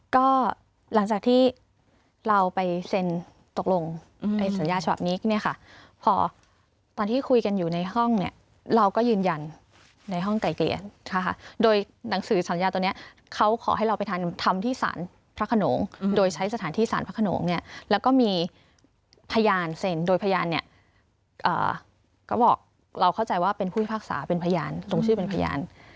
ก็หลังจากที่เราไปเซ็นตกลงในสัญญาฉบับนี้เนี่ยค่ะพอตอนที่คุยกันอยู่ในห้องเนี่ยเราก็ยืนยันในห้องไกลเกลียดนะคะโดยหนังสือสัญญาตัวนี้เขาขอให้เราไปทำที่สารพระขนงโดยใช้สถานที่สารพระขนงเนี่ยแล้วก็มีพยานเซ็นโดยพยานเนี่ยก็บอกเราเข้าใจว่าเป็นผู้พิพากษาเป็นพยานลงชื่อเป็นพยาน